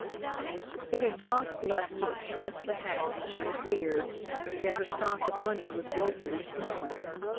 It had cost less to express the hat than she had feared, yet her stock of money was woefully small.